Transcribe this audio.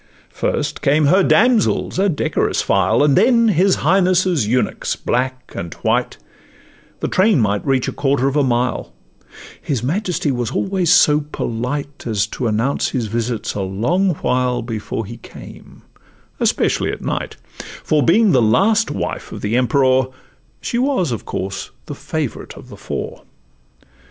First came her damsels, a decorous file, And then his Highness' eunuchs, black and white; The train might reach a quarter of a mile: His majesty was always so polite As to announce his visits a long while Before he came, especially at night; For being the last wife of the Emperour, She was of course the favorite of the four.